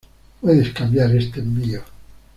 puedes cambiar este envío